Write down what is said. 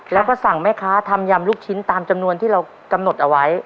แล้วก็สั่งแม่ค้าทำยำลูกชิ้นตามจำนวนที่เรากำหนดเอาไว้